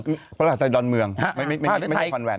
ภาษาหรือไทยดอนเมืองไม่ใช่คอนแวน